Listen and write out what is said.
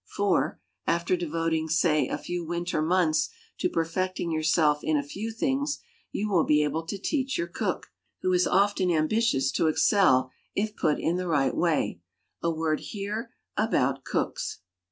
For, after devoting say a few winter months to perfecting yourself in a few things, you will be able to teach your cook, who is often ambitious to excel if put in the right way. A word here about cooks.